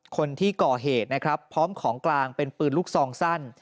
คนที่ก่อเหตุนะครับพร้อมของกลางเป็นปืนลูกซองสั้น